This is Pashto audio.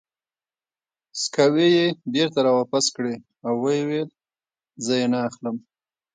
سکوې یې بېرته را واپس کړې او ویې ویل: زه یې نه اخلم.